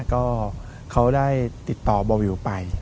ก็เขาได้ติดต่อบอลวิวไป